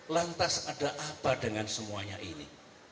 lantas ada apa dengan semuanya ini